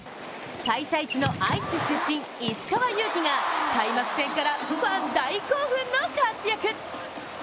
開催地の愛知出身・石川祐希が開幕戦からファン大興奮の活躍。